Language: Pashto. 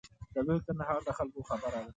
د لوی کندهار د خلکو خبره ده.